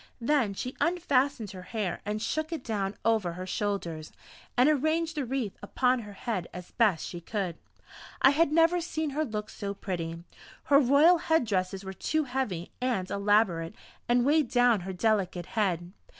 Then she unfastened her hair and shook it down over her shoulders, and arranged the wreath upon her head as best she could. I had never seen her look so pretty; her royal head dresses were too heavy and elaborate and weighed down her delicate head.